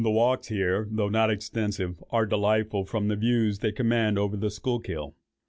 The walks here, though not extensive, are delightful, from the views they command over the Schuylkill.